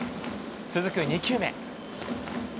続く２球目。